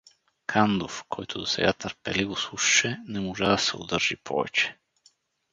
Кандов, който досега търпеливо слушаше, не можа да се удържи повече.